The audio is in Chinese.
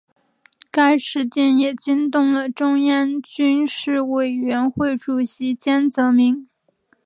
该事件也惊动了中央军事委员会主席江泽民。